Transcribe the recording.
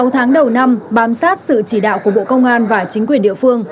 sáu tháng đầu năm bám sát sự chỉ đạo của bộ công an và chính quyền địa phương